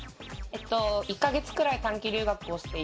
１カ月くらい短期留学をしていて。